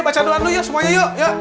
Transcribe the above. baca doa dulu ya semuanya yuk